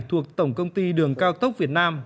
thuộc tổng công ty đường cao tốc việt nam